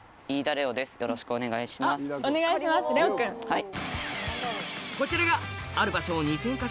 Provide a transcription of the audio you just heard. はい。